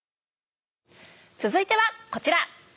続いてはこちら。